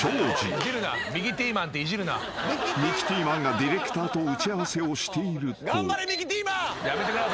［ミキティーマンがディレクターと打ち合わせをしていると］